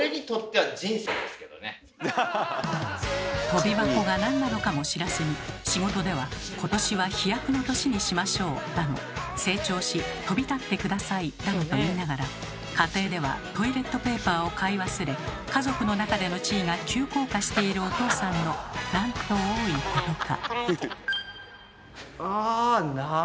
とび箱がなんなのかも知らずに仕事では「今年は飛躍の年にしましょう」だの「成長し飛び立って下さい」だのと言いながら家庭ではトイレットペーパーを買い忘れ家族の中での地位が急降下しているおとうさんのなんと多いことか。